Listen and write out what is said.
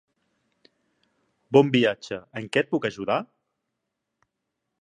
Bon viatge. En què et puc ajudar?